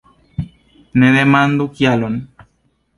Ne demandu kialon!